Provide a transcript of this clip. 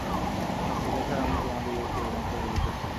এ-কথাই আমি তোমাদিগকে এইমাত্র বলিতেছিলাম।